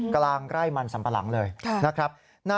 กลางไร่มันสัมปะหลังเลยนะครับ